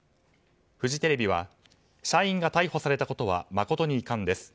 フジテレビは社員が逮捕されたことは誠に遺憾です。